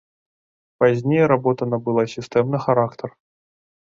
Пазней работа набыла сістэмны характар.